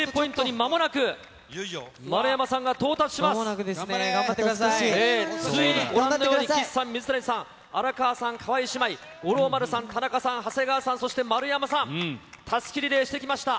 まもなくですね、頑張ってくついにご覧のように、岸さん、水谷さん、荒川さん、川井姉妹、五郎丸さん、田中さん、長谷川さん、そして丸山さん、たすきリレーしてきました。